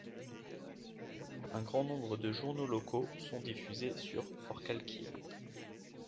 Un grand nombre de journaux locaux sont diffusés sur Forcalquier.